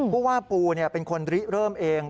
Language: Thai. ผู้ว่าปูเป็นคนริเริ่มเอง